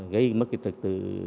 gây mất cái trật tự